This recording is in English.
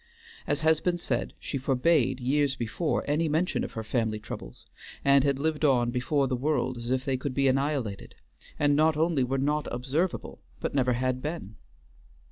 As has been said, she forbade, years before, any mention of her family troubles, and had lived on before the world as if they could be annihilated, and not only were not observable, but never had been.